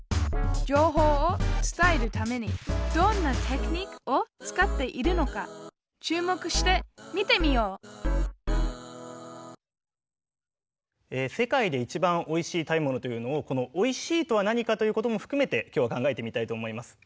情報を伝えるためにどんなテクニックを使っているのか注目して見てみよう「世界で一番おいしい食べ物」というのをこの「おいしい」とは何かということもふくめてきょうは考えてみたいと思います。